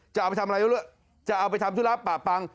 จะเอาไปทำอะไรจะเอาไปทำธุระป่าปัง